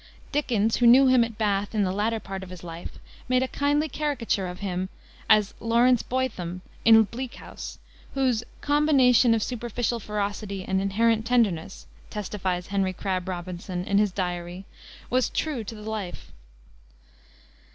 Dickens, who knew him at Bath, in the latter part of his life, made a kindly caricature of him as Lawrence Boythom, in Bleak House, whose "combination of superficial ferocity and inherent tenderness," testifies Henry Crabb Robinson, in his Diary, was true to the life.